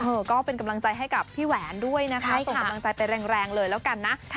ก็เป็นกำลังใจให้กับพี่แหวนด้วยนะคะส่งกำลังใจไปแรงเลยแล้วกันนะ